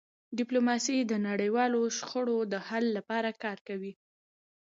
ډيپلوماسي د نړیوالو شخړو د حل لپاره کار کوي.